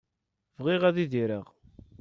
Bɣiɣ ad idireɣ.